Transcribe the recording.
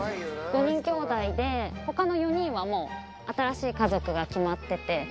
５人きょうだいで他の４人はもう新しい家族が決まってて。